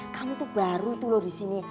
kamu tuh baru tuh loh di sini